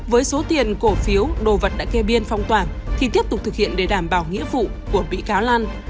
với số tiền cổ phiếu đồ vật đã kê biên phong tỏa thì tiếp tục thực hiện để đảm bảo nghĩa vụ của bị cáo lan